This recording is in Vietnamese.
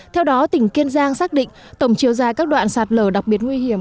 theo đó tỉnh kiên giang xác định tổng chiều dài các đoạn sạt lở đặc biệt nguy hiểm